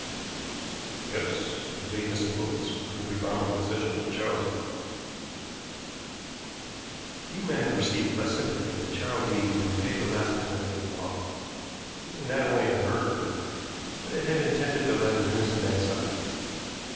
"Yes; those eight missing books, which will be found in the possession of Charles Eade." Few men have received less sympathy than Charles Eade when he paid the last penalty of the law. He was not only a murderer, but had intended to let an innocent man suffer.